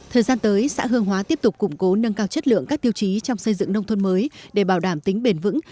thời gian tới xã hương hóa tiếp tục củng cố nâng cao chất lượng các tiêu chí trong xây dựng nông thôn mới để bảo đảm tính bền vững